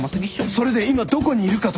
それで今どこにいるかとか。